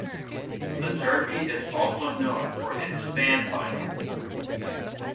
The derby is also known for its fan violence.